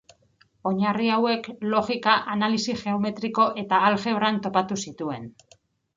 Oinarri hauek logika, analisi geometriko eta aljebran topatu zituen.